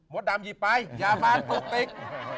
ดำหยิบไปอย่ามาปกติก